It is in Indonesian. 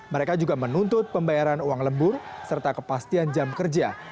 mereka juga menuntut pembayaran uang lembur serta kepastian jam kerja